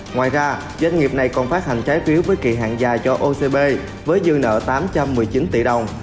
ngoài ra doanh nghiệp này còn phát hành trái phiếu với kỳ hạng dài cho ocb với dư nợ tám trăm một mươi chín tỷ đồng